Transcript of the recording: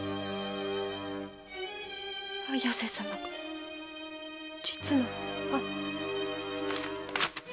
綾瀬様が実の母！